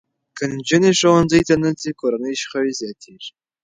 که نجونې ښوونځي ته نه ځي، کورني شخړې زیاتېږي.